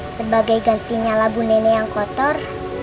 sebagai gantinya labu nenek yang kotor